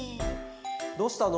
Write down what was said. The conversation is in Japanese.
どうしたの？